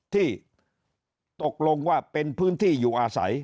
ที่ตกลงว่าเป็นพื้นที่อยู่อาศัย